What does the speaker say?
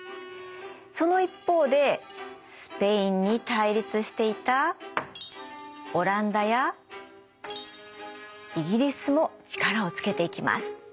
その一方でスペインに対立していたオランダやイギリスも力をつけていきます。